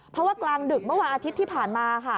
เพราะว่ากลางดึกเมื่อวานอาทิตย์ที่ผ่านมาค่ะ